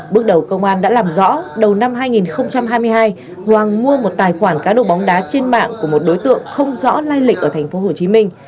bước đầu công an đã làm rõ đầu năm hai nghìn hai mươi hai hoàng mua một tài khoản cá độ bóng đá trên mạng của một đối tượng không rõ lai lịch ở thành phố hồ chí minh